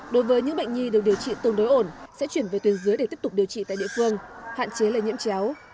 đối với những bệnh nhi được điều trị tương đối ổn sẽ chuyển về tuyến dưới để tiếp tục điều trị tại địa phương hạn chế lây nhiễm chéo